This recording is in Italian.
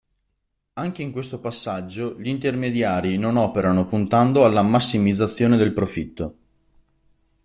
Anche in questo passaggio gli intermediari non operano puntando alla massimizzazione del profitto.